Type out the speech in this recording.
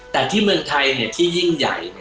แต่ที่เมืองไทยที่ยิ่งใหญ่